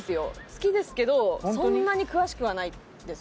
好きですけどそんなに詳しくはないです。